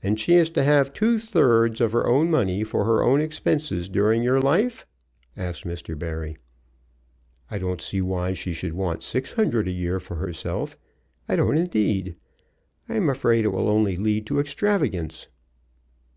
"And she is to have two thirds of her own money for her own expenses during your life?" asked Mr. Barry. "I don't see why she should want six hundred a year for herself; I don't indeed. I am afraid it will only lead to extravagance!"